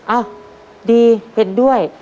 อ้าวดีเห็นด้วย